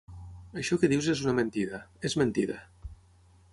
Això que dius és una mentida, és mentida.